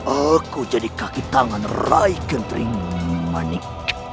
aku jadi kaki tangan rai kentring manik